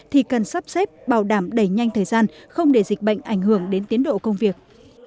thì cần sắp xếp bảo đảm đẩy nhanh thời gian không để dịch bệnh ảnh hưởng đến tiến độ công việc